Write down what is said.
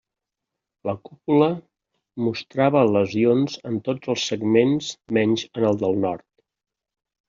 La cúpula mostrava lesions en tots els segments menys en el del nord.